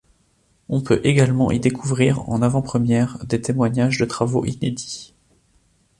On peut également y découvrir en avant-première des témoignages de travaux inédits.